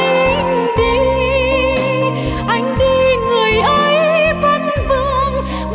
anh đi anh đi người ấy vấn vương